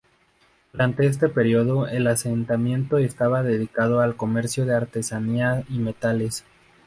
Durante este periodo el asentamiento estaba dedicado al comercio de artesanía y metales.